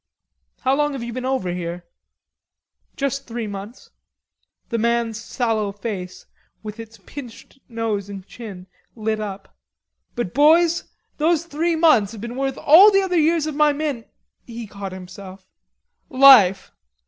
"How long have you been over here?" "Just three months." The man's sallow face, with its pinched nose and chin lit up. "But, boys, those three months have been worth all the other years of my min " he caught himself "life....